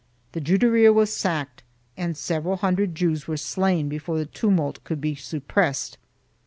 The Juderia was sacked and several hundred Jews were slain before the tumult could be suppressed.